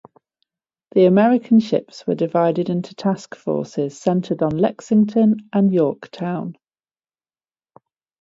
The American ships were divided into task forces centered on "Lexington" and "Yorktown".